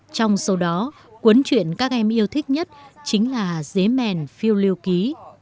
trong số đó cuốn chuyện các em yêu thích nhất chính là dế mèn phiêu lưu ký